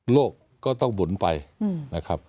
โลกก็ต้องหมุนภูมิ